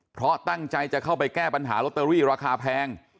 เพราะตั้งใจจะเข้าไปแก้ปัญหาลอตเตอรี่ราคาแพง